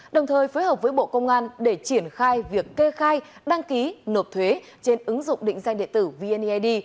đồng thời phối hợp với bộ công an để triển khai việc kê khai đăng ký nộp thuế trên ứng dụng định danh điện tử vneid